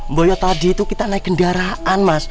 mbak ya tadi itu kita naik kendaraan mas